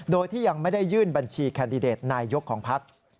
โดยที่ยังไม่ได้ยื่นบัญชีคันดิเดตนายยกรัฐมนตรีของพรรค